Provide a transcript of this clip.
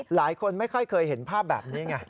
หลายคนไม่ค่อยเคยเห็นภาพแบบนี้ไง